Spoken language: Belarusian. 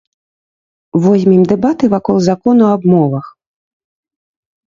Возьмем дэбаты вакол закону аб мовах.